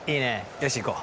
よし行こう。